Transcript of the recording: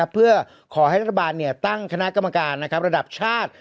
เพื่อขอให้รัฐบาลตั้งคณะกรรมการระดับชาติ